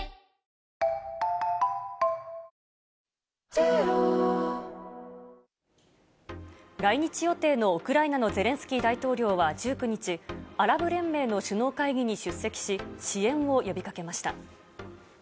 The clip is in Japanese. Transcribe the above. ダイハツ来日予定のウクライナのゼレンスキー大統領は１９日アラブ連盟の首脳会議に出席し支援を呼びかけました。